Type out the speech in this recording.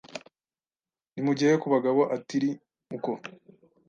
Ni mu gihe ku bagabo atiri uko